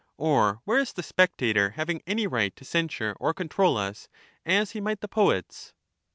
Or where is the spectator having any right to censure or control us, as he might the poets